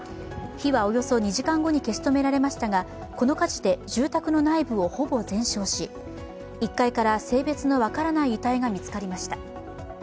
火はおよそ２時間後に消し止められましたが、この火事で住宅の内部をほぼ全焼し１階から性別の分からない遺体が見つかりました。